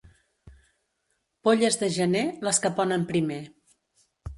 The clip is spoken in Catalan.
Polles de gener, les que ponen primer.